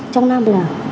trong năm là